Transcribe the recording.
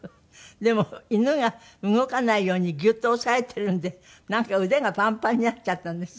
でも犬が動かないようにギュッと押さえてるんでなんか腕がパンパンになっちゃったんです？